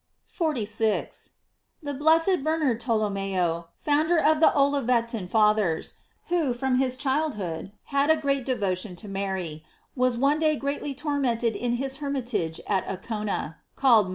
46. — The blessed Bernard Tolomeo, founder of the ©livetan Fathers, who, from his childhood, had a great devotion to Mary, was one day great ly tormented in his hermitage at Accona, called Mt.